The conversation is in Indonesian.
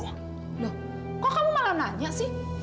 loh kok kamu malah nanya sih